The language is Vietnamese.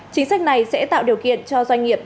chính sách này sẽ tạo điều kiện cho doanh nghiệp